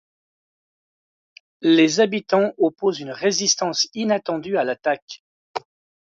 Les habitants opposent une résistance inattendue à l’attaque.